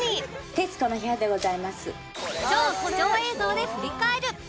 『徹子の部屋』でございます。